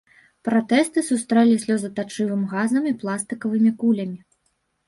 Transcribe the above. Пратжсты сустрэлі слёзатачывым газам і пластыкавымі кулямі.